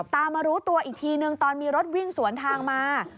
ตามมารู้ตัวอีกทีนึงตอนมีรถวิ่งสวนทางมา